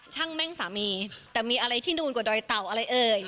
แม่งสามีแต่มีอะไรที่ดูนกว่าดอยเต่าอะไรเอ่ย